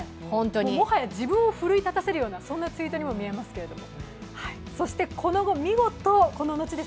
もはや自分を奮い立たせるようなツイートにも見えますけれども。